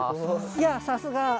いやさすが。